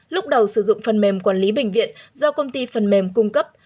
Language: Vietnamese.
lúc đầu sử dụng phần mềm quản lý bệnh viện do công ty phần mềm cung cấp